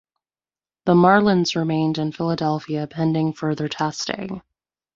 The Marlins remained in Philadelphia pending further testing.